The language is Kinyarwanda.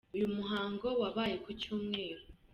Uyu muhango wabaye ku Cyumweru